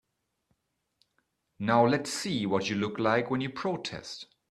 Now let's see what you look like when you protest.